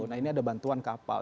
nah ini ada bantuan kapal